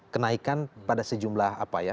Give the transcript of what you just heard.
kenaikan pada sejumlah